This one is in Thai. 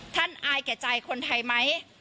อายแก่ใจคนไทยไหม